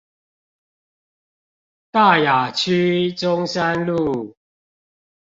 大雅區中山路